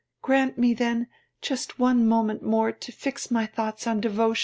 Grant me, then, just one moment more to fix my thoughts on devotion!'